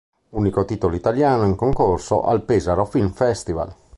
Unico titolo italiano in concorso al Pesaro Film Festival.